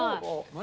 何？